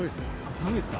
寒いですか？